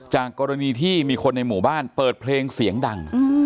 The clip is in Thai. กรณีที่มีคนในหมู่บ้านเปิดเพลงเสียงดัง